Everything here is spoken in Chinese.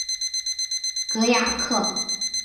戈雅克。